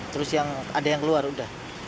terus yang ada yang keluar udah